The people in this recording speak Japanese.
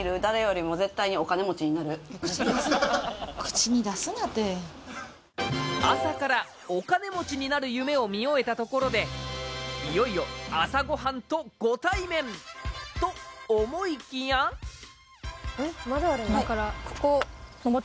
口に出すな口に出すなて朝からお金持ちになる夢を見終えたところでいよいよ朝ごはんとご対面と思いきやここ？